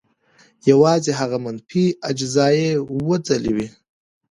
یوازې هغه منفي اجزا یې وځلوي.